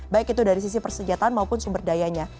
baik itu dari sisi persenjataan maupun sumber dayanya